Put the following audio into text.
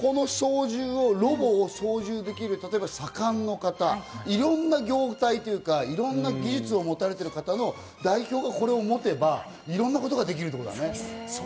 ロボを操縦できる左官の方、いろんな業態、技術を持たれている方の代表がこれを持てばいろんなことができるということだね。